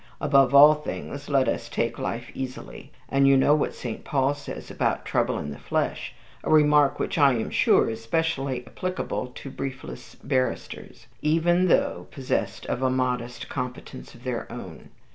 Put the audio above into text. Above all things, let us take life easily, and you know what St. Paul says about 'trouble in the flesh,' a remark which I am sure is specially applicable to briefless barristers, even though possessed of a modest competence of their own.